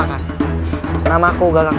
paman sudah memerhatikan rakyat kecil